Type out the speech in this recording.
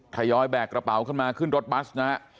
ทยอยแบกกระเป๋าขึ้นมาขึ้นรถบัสนะฮะ